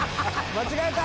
間違えた！